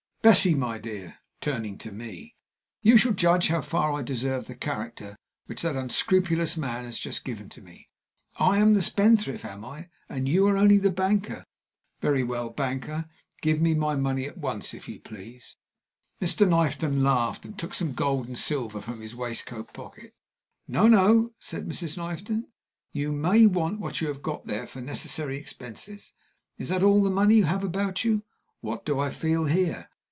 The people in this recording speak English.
Bessie, my dear" (turning to me), "you shall judge how far I deserve the character which that unscrupulous man has just given to me. I am the spendthrift, am I? And you are only the banker? Very well. Banker, give me my money at once, if you please!" Mr. Knifton laughed, and took some gold and silver from his waistcoat pocket. "No, no," said Mrs. Knifton, "you may want what you have got there for necessary expenses. Is that all the money you have about you? What do I feel here?"